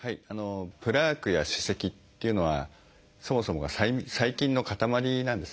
プラークや歯石っていうのはそもそもが細菌の塊なんですね。